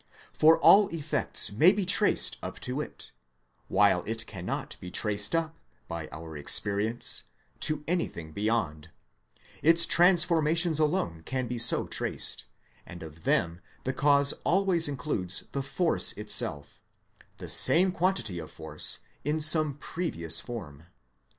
For all effects may be traced up to it, while it cannot be traced up, by our experience, to anything beyond : its transformations alone can be so traced, and of them the cause always includes the force itself: the same quantity of force, in some previous form.